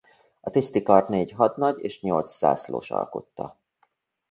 A tisztikart négy hadnagy és nyolc zászlós alkotta.